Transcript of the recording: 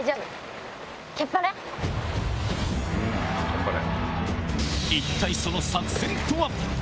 頑張れ。